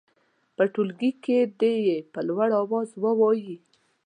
په ټولګي کې دې یې په لوړ اواز ووايي.